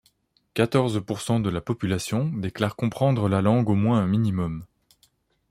Quatorze pour cent de la population déclare comprendre la langue au moins un minimum.